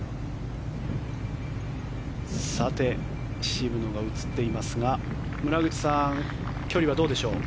渋野が映っていますが村口さん、距離はどうでしょう。